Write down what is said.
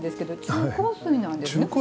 中硬水なんです。